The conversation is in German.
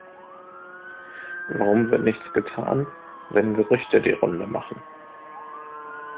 Warum wird nichts getan, wenn Gerüchte die Runde machen?